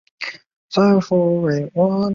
其象征意义众说纷纭。